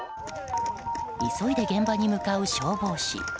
急いで現場に向かう消防士。